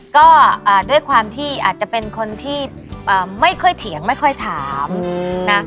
ก็ด้วยความที่อาจจะเป็นคนที่ไม่ค่อยเถียงไม่ค่อยถามนะ